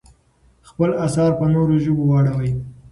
خپل اثار په نورو ژبو واړوئ.